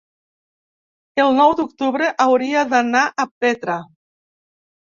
El nou d'octubre hauria d'anar a Petra.